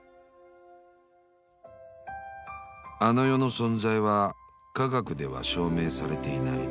［あの世の存在は科学では証明されていない］